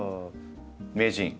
名人！